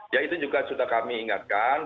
ya itu juga sudah kami ingatkan